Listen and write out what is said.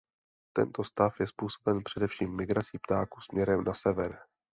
Tento stav je způsoben především migrací ptáků směrem na sever.